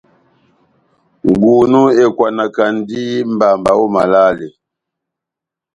Ngunu ekwanakandi mbamba ό malale.